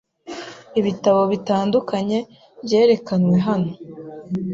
Ibitabo bitandukanye byerekanwe hano.